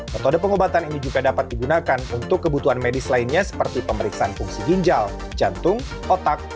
metode pengobatan ini juga dapat digunakan untuk kebutuhan medis lainnya seperti pemeriksaan fungsi ginjal jantung otak